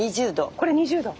これ２０度？